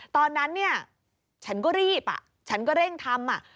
ตอนนั้นเนี่ยฉันก็รีบฉันก็เร่งทำ